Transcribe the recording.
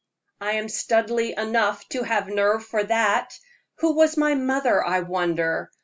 I am Studleigh enough to have nerve for that. Who was my mother, I wonder?